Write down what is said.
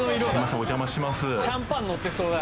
お邪魔します